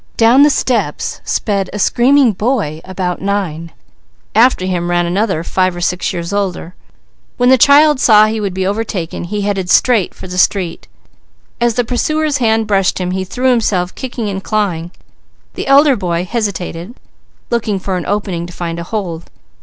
Down the steps sped a screaming boy about nine. After him ran another five or six years older. When the child saw he would be overtaken, he headed straight for the street; as the pursuer's hand brushed him, he threw himself kicking and clawing. The elder boy hesitated, looking for an opening to find a hold.